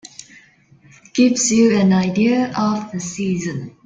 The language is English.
Gives you an idea of the season.